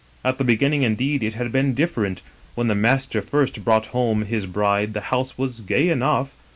At the beginning, indeed, it had been different; when the master first brought home his bride the house was gay enough.